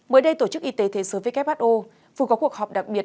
mới đây tổ chức y tế thế giới who vừa có cuộc họp đặc biệt